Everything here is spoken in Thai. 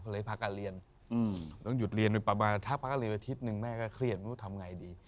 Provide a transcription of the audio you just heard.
ก็เลยพักการเรียนต้องหยุดเรียนไปประมาณถ้าพักก็เรียนอาทิตย์หนึ่งแม่ก็เครียดไม่รู้ทำไงดี